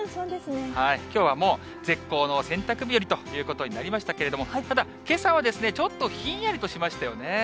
きょうはもう、絶好の洗濯日和ということになりましたけれども、ただ、けさはちょっとひんやりとしましたよね。